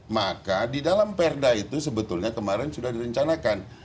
maka di dalam perda itu sebetulnya kemarin sudah direncanakan